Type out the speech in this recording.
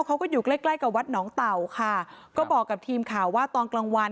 เขาก็อยู่ใกล้ใกล้กับวัดหนองเต่าค่ะก็บอกกับทีมข่าวว่าตอนกลางวัน